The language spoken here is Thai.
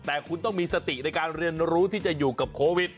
แต่คุณต้องมีสติในการเรียนรู้ที่จะอยู่กับโควิด